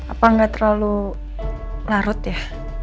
apa nggak terlalu larut ya